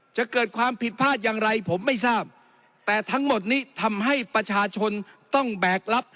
จะเกิดความผิดพลาดอย่างไรผมไม่ทราบแต่ทั้งหมดนี้ทำให้ประชาชนต้องแบกรับ